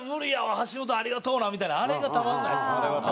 「橋本ありがとうな」みたいなあれがたまんないです。